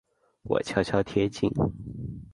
我悄悄贴近